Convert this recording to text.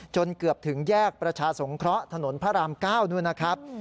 จนเกือบถึงแยกประชาสงเคราะห์ถนนพระราม๙นู่นนะครับ